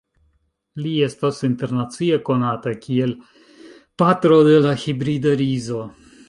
Li estas internacie konata kiel "patro de la hibrida rizo".